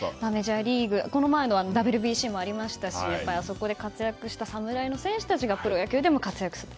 この前のＷＢＣもありましたしあそこで活躍した侍の選手たちがプロ野球でも活躍する。